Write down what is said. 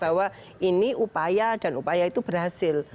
bahwa ini upaya dan upaya itu berhasil